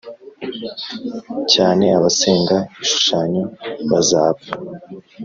cyane abasenga ibishushanyo bazapfa